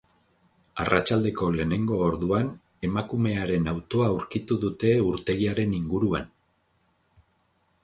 Arratsaldeko lehenengo orduan emakumearen autoa aurkitu dute urtegiaren inguruan.